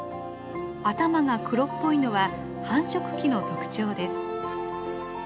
頭が黒っぽいのは繁殖期の特徴です。